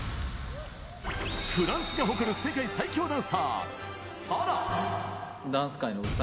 フランスが誇る世界最強ダンサー、ＳＡＬＡＨ。